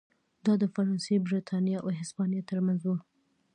دا د فرانسې، برېټانیا او هسپانیا ترمنځ و.